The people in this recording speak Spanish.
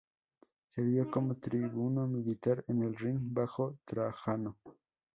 Sirvió como tribuno militar en el Rin bajo Trajano.